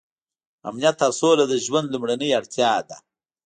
امنیت او سوله د ژوند لومړنۍ اړتیا ده.